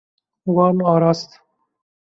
Wan arast.